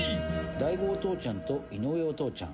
大悟お父ちゃんと井上お父ちゃん。